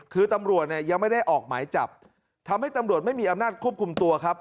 คือตำรวจเนี่ยยังไม่ได้ออกหมายจับทำให้ตำรวจไม่มีอำนาจควบคุมตัวครับ